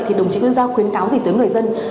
thì đồng chí nguyễn giao khuyến cáo gì tới người dân